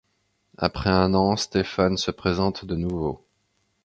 Après un an, Stefan se présente de nouveau.